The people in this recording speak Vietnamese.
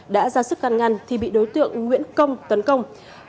đã ra sức căn ngăn thì bị đối tượng nguyễn công tấn công